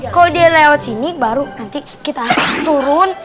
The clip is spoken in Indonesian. kalau dia lewat sini baru nanti kita turun